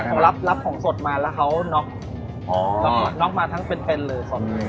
เป็นสดรับของสดมาแล้วเขาน็อกมาทั้งเพลงเลย